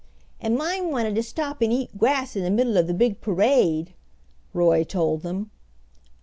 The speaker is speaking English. "And mine wanted to stop and eat grass in the middle of the big parade," Roy told them.